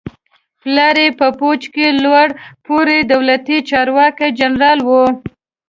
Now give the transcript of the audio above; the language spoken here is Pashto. پلار یې په پوځ کې لوړ پوړی دولتي چارواکی جنرال و.